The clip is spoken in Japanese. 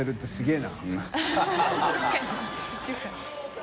すげぇな。